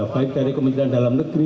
baik dari kementerian dalam negeri